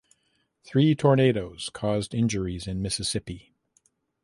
Three tornadoes caused injuries in Mississippi.